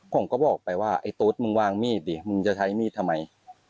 ผมก็บอกไปว่าไอ้ตู๊ดมึงวางมีดดิมึงจะใช้มีดทำไม